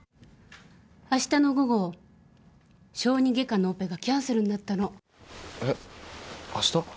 明日の午後小児外科のオペがキャンセルになったのえッ明日？